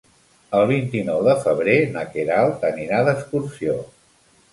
El vint-i-nou de febrer na Queralt anirà d'excursió.